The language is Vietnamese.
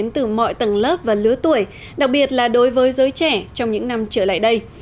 từ mọi tầng lớp và lứa tuổi đặc biệt là đối với giới trẻ trong những năm trở lại đây